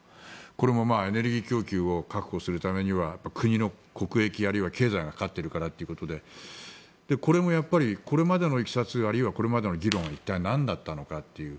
これもエネルギー供給を確保するためには国の国益、あるいは経済がかかっているからということでこれもこれまでのいきさつあるいはこれまでの議論は一体なんだったのかという。